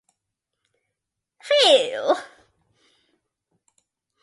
Feel.